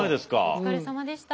お疲れさまでした。